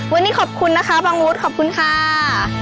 วันนี้ขอบคุณนะคะบางวุธขอบคุณค่ะ